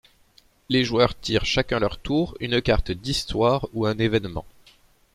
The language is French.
Les joueurs tirent chacun leur tour une carte d’histoire ou un événement.